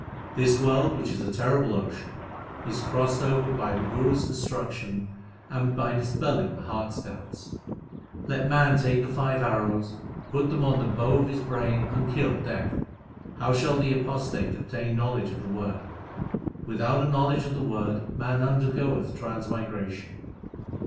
This world which is a terrible ocean, is crossed over by the Guru s instruction And by dispelling the heart s doubts. Let man take the five arrows, 1 put them on the bow of his brain and kill Death. How shall the apostate obtain knowledge of the Word ? Without a knowledge of the Word man undergoeth transmigration.